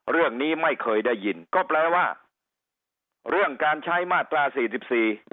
เรื่องนี้ไม่เคยได้ยินก็แปลว่าเรื่องการใช้มาตราสี่สิบสี่